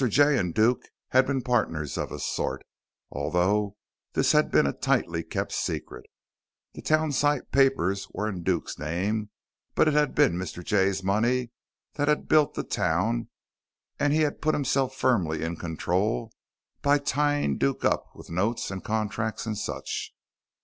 Jay and Duke had been partners of a sort, although this had been a tightly kept secret. The townsite papers were in Duke's name; but it had been Mr. Jay's money that had built the town and he had put himself firmly in control by tying Duke up with notes and contracts and such.